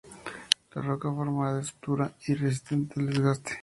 La roca formada es muy dura y resistente al desgaste.